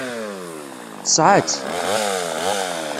Tesɛa-tt.